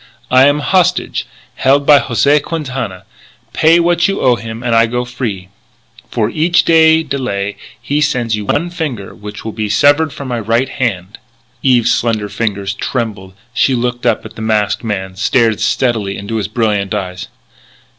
I am hostage, held by José Quintana. Pay what you owe him and I go free. "For each day delay he sends to you one finger which will be severed from my right hand " Eve's slender fingers trembled; she looked up at the masked man, stared steadily into his brilliant eyes.